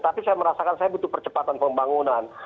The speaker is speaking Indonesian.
tapi saya merasakan saya butuh percepatan pembangunan